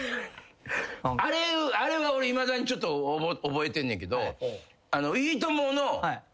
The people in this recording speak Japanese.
あれは俺いまだにちょっと覚えてんねんけど。